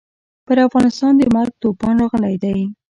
پر افغانستان د مرګ توپان راغلی دی.